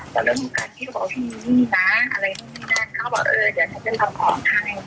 แต่เรื่องของการเที่ยวบอกว่าที่นี่น่ะอะไรที่นี่น่ะเขาก็บอกว่าเออเดี๋ยวฉันจะทำของให้